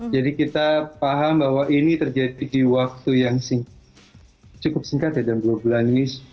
kita paham bahwa ini terjadi di waktu yang cukup singkat ya dalam dua bulan ini